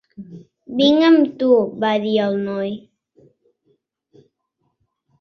"Vinc amb tu", va dir el noi.